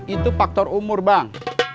itu faktor umur bang